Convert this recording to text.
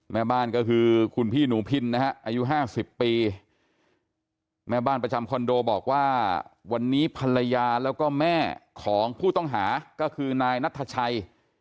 แม่บ้านก็คือคุณพี่หนูพินนะฮะอายุ๕๐ปีแม่บ้านประจำคอนโดบอกว่าวันนี้ภรรยาแล้วก็แม่ของผู้ต้องหาก็คือนายนัทชัย